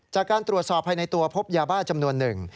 จากการตรวจสอบภายในตัวพบยาบ้าจำนวนหนึ่ง